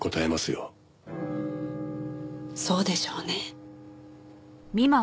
そうでしょうね。